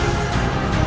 aku akan menangkapmu